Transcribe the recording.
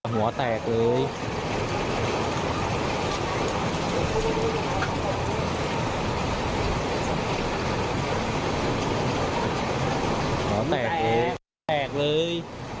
หัวแตกเลยแตกเลย